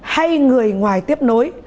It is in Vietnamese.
hay người ngoài tiếp nối